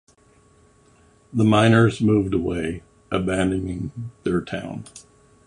The miner's moved away, abandoning their town.